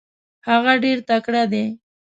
هغه ډېر تکړه دی.